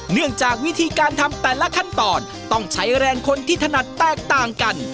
เนื่องจากวิธีการทำแต่ละขั้นตอนต้องใช้แรงคนที่ถนัดแตกต่างกัน